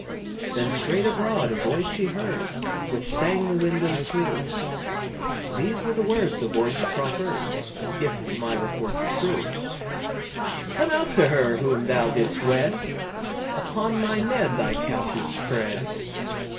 Then straight abroad a voice he heard, Which sang the window through; These were the words the voice proffer'd If my report be true: "Come out to her whom thou didst wed! Upon my mead thy couch is spread."